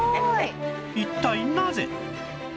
一体なぜ？